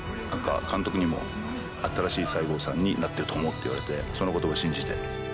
何か監督にも新しい西郷さんになっていると思うって言われてその言葉信じて。